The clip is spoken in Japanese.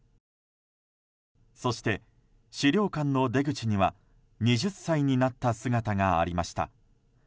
そして、資料館の出口には２０歳になった姿がありました。